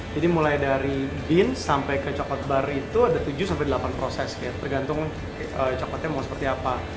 jadi mulai dari beans sampai ke coklat bar itu ada tujuh sampai delapan proses ya tergantung coklatnya mau seperti apa